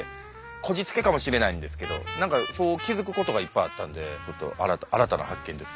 こじつけかもしれないんですけどそう気付くことがいっぱいあったんで新たな発見です。